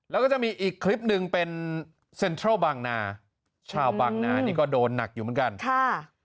แล้วก็จะมีอีกคลิปหนึ่งเป็นเซ็นทรัลบางนาชาวบางนานี่ก็โดนหนักอยู่เหมือนกันค่ะ